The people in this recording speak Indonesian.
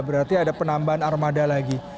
berarti ada penambahan armada lagi